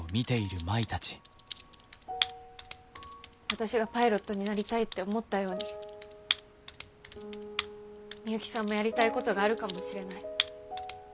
私がパイロットになりたいって思ったように美幸さんもやりたいことがあるかもしれない。